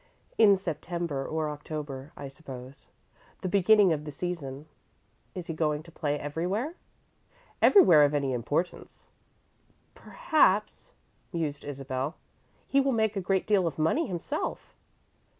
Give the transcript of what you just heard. "In September or October, I suppose the beginning of the season." "Is he going to play everywhere?" "Everywhere of any importance." "Perhaps," mused Isabel, "he will make a great deal of money himself."